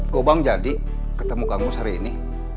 kobang jadi ketemu kamu hari ini